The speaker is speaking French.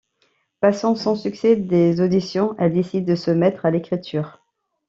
Passant sans succès des auditions, elle décide de se mettre à l'écriture.